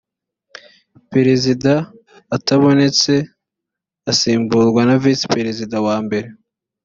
perezida atabonetse asimburwa na visi perezida wa mbere